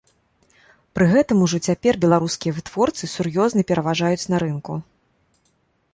Пры гэтым ужо цяпер беларускія вытворцы сур'ёзна пераважаюць на рынку.